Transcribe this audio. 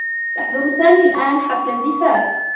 يحضر سامي الآن حفل زفاف.